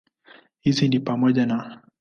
Hizi ni pamoja na